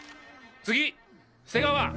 次瀬川。